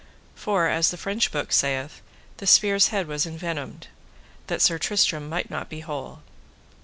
For, as the French book saith, the spear's head was envenomed, that Sir Tristram might not be whole.